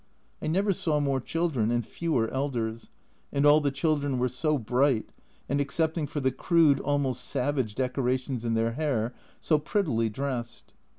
I never saw more children and fewer elders, and all the children were so bright, and, excepting for the crude, almost savage decorations in their hair, so prettily dressed.